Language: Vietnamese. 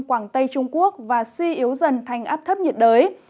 quảng tây trung quốc và suy yếu dần thành áp thấp nhiệt đới